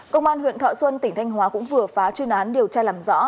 công an huyện thọ xuân tỉnh thanh hóa cũng vừa phá chuyên án điều tra làm rõ